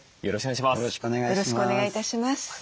よろしくお願いします。